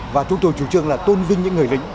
và chúng tôi chủ trương là tôn vinh những người lính